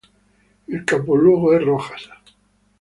Il capoluogo è Rojas.